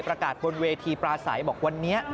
ประกาศบนเวทีปราศัยบอกวันนี้